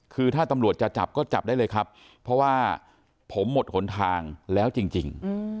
คือถ้าตำรวจจะจับก็จับได้เลยครับเพราะว่าผมหมดหนทางแล้วจริง